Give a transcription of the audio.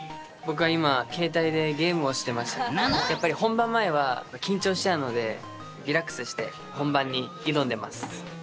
やっぱり本番前は緊張しちゃうのでリラックスして本番に挑んでます。